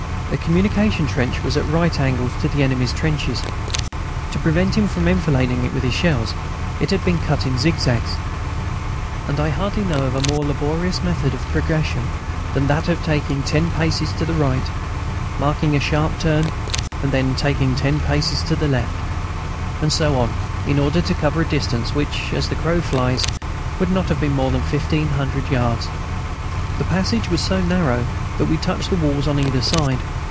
The communication trench was at right angles to the enemy's trenches. To prevent him from enfilading it with his shells, it had been cut in zigzags. And I hardly know of a more laborious method of progression than that of taking ten paces to the right, making a sharp turn, and then again taking ten paces to the left, and so on, in order to cover a distance which, as the crow flies, would not be more than fifteen hundred yards. The passage was so narrow that we touched the walls on either side.